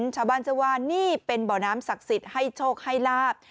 ชาวบ้านเชื่อว่านี่เป็นบ่อน้ำศักดิ์สิทธิ์ให้โชคให้ลาบ